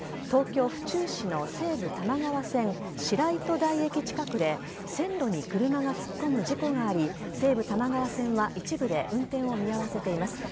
東京・府中市の西武多摩川線白糸台駅近くで線路に車が突っ込む事故があり西武多摩川線は一部で運転を見合わせています。